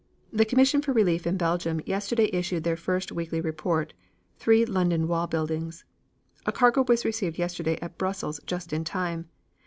The Commission for Relief in Belgium yesterday issued their first weekly report, 3 London Wall Buildings. A cargo was received yesterday at Brussels just in time.